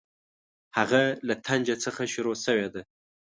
هغه له طنجه څخه شروع شوې ده.